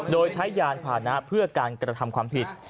โดยใช้ยานผ่านะเพื่อการกระทำความผิด